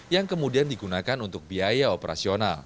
yang kemudian digunakan untuk biaya operasional